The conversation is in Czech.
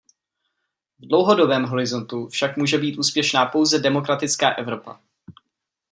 V dlouhodobém horizontu však může být úspěšná pouze demokratická Evropa.